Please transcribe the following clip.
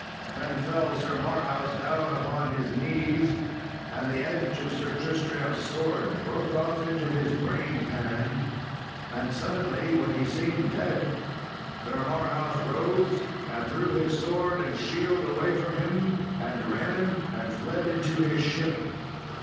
Then fell Sir Marhaus down upon his knees, and the edge of Sir Tristram's sword broke off into his brain pan. And suddenly when he seemed dead, Sir Marhaus rose and threw his sword and shield away from him and ran and fled into his ship.